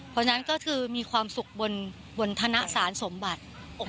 เพราะฉะนั้นก็คือมีความสุขบนธนสารสมบัติ